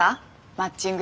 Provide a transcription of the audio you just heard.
マッチング。